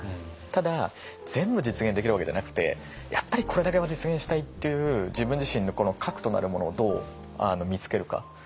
ただ全部実現できるわけじゃなくてやっぱりこれだけは実現したいっていう自分自身の核となるものをどう見つけるか。